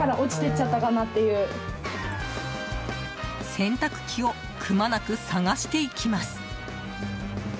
洗濯機をくまなく探していきます。